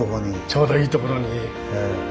ちょうどいいところに。